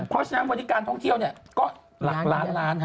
เพราะฉะนั้นวันนี้การท่องเที่ยวก็หลักล้านล้าน